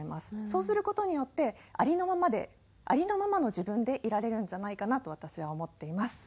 そうする事によってありのままでありのままの自分でいられるんじゃないかなと私は思っています。